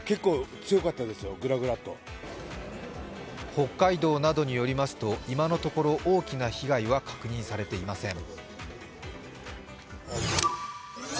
北海道などによりますと今のところ大きな被害は確認されていません。